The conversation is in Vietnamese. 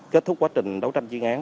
kết thúc quá trình đấu tranh chuyên án